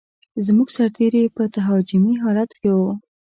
زموږ سرتېري په تهاجمي حالت کې و.